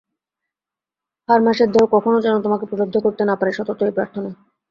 হাড়মাসের দেহ কখনও যেন তোমাকে প্রলুব্ধ করতে না পারে, সতত এই প্রার্থনা।